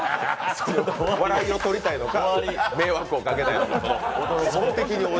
笑いを取りたいのか、迷惑をかけたいのか。